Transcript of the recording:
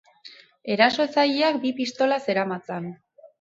Erasotzaileak bi pistola zeramatzan.